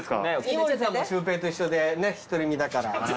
井森さんもシュウペイと一緒でね独り身だから。